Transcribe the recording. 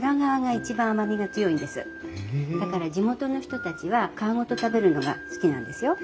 だから地元の人たちは皮ごと食べるのが好きなんですよ。